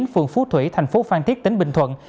phường phú thủy thành phố phan thiết tỉnh bình thuận